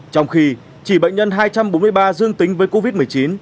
trong khi chỉ bệnh nhân hai trăm bốn mươi ba dương tính với covid một mươi chín